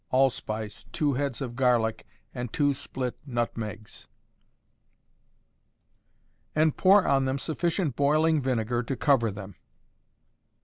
allspice, 2 heads of garlic, and 2 split nutmegs; and pour on them sufficient boiling vinegar to cover them.